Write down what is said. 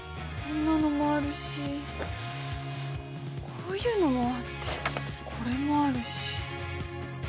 こんなのもあるしこういうのもあってこれもあるし。